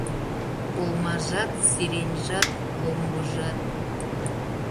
Олмажат, сиреньжат, ломбыжат